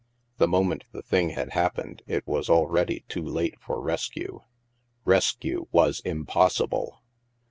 The moment the thing had happened, it was already too late for rescue. Res cue was impossible!